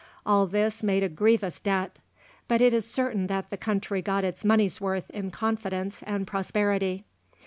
All this made a grievous debt; but it is certain that the country got its money's worth in confidence and prosperity.